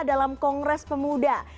dalam kongres pemuda